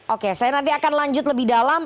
oke saya nanti akan lanjut lebih dalam